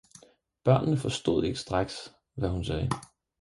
Børnene forstod ikke straks hvad hun sagde.